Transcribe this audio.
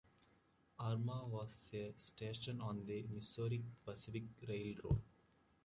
Arma was a station on the Missouri Pacific Railroad.